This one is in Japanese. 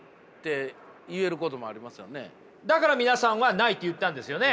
だから皆さんはないと言ったんですよね？